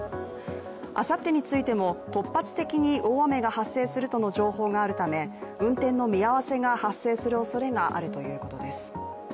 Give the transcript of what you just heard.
あさってについても、突発的に大雨が発生するとの情報があるため運転の見合わせが発生するおそれがあるということです。